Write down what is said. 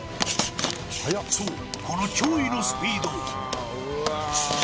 そうこの驚異のスピード